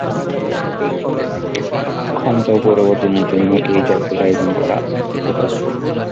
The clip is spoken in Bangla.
ক্ষমতা ও গৌরব অর্জনের জন্য এই যজ্ঞের আয়োজন করা হত।